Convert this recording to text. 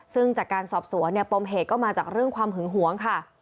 ซึ่งจากการสอบสวนเนี่ยปมเหตุก็มาจากเรื่องความหึงหวงค่ะ